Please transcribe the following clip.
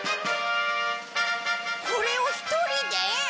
これを１人で！？